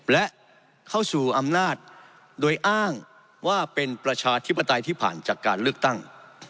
และเข้าสู่อำนาจโดยอ้างว่าเป็นประชาธิปไตยที่ผ่านจากการเลือกตั้ง